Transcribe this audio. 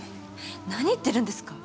何言ってるんですか。